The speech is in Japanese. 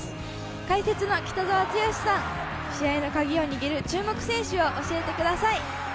解説の北澤豪さん、試合のカギを握る注目選手を教えてください。